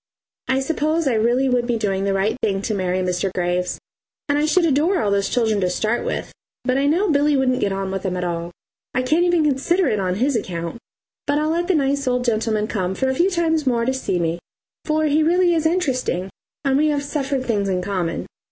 I suppose I really would be doing the right thing to marry Mr. Graves, and I should adore all those children to start with, but I know Billy wouldn't get on with them at all. I can't even consider it on his account, but I'll let the nice old gentleman come for a few times more to see me, for he really is interesting, and we have suffered things in common.